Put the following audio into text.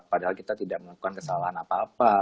padahal kita tidak melakukan kesalahan apa apa